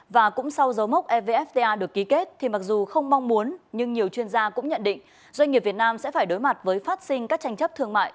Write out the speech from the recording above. và cũng sau dấu mốc evfta được ký kết thì mặc dù không mong muốn nhưng nhiều chuyên gia cũng nhận định doanh nghiệp việt nam sẽ phải đối mặt với phát sinh các tranh chấp thương mại